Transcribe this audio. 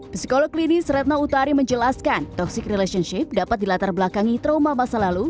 psikolog klinis retna utari menjelaskan toxic relationship dapat dilatar belakangi trauma masa lalu